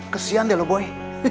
kesian deh lo boy